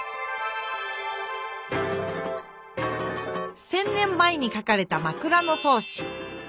１，０００年前に書かれた「枕草子」。